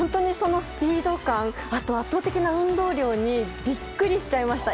スピード感あと、圧倒的な運動量にビックリしちゃいました。